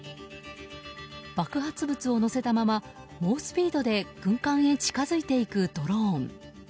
爆発物を載せたまま猛スピードで軍艦へ近づいていくドローン。